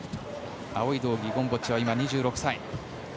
青い道着、ゴムボッチは２６歳。